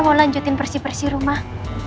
mau lanjutin bersih bersih rumah